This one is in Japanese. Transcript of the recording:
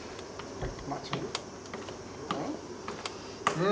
はい。